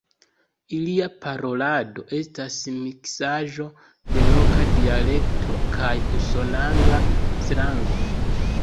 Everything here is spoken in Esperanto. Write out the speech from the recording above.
Ilia parolado estas miksaĵo de loka dialekto kaj usonangla slango.